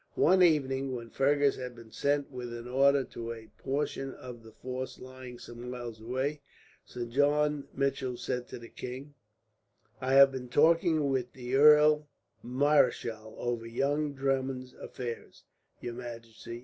One evening, when Fergus had been sent with an order to a portion of the force lying some miles away, Sir John Mitchell said to the king: "I have been talking with the Earl Marischal over young Drummond's affairs, your majesty.